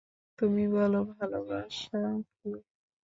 তুমি বলো ভালোবাসা কি?